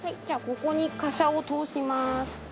じゃあここに滑車を通します。